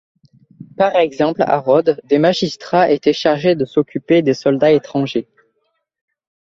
Par exemple, à Rhodes, des magistrats étaient chargés de s'occuper des soldats étrangers.